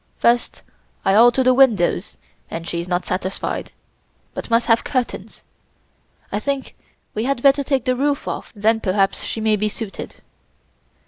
First I alter the windows, and she is not satisfied, but must have curtains. I think we had better take the roof off, then perhaps she may be suited."